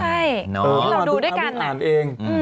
ใช่นี่เราดูด้วยกันอ่านเอง